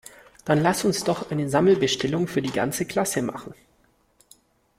Dann lasst uns doch eine Sammelbestellung für die ganze Klasse machen!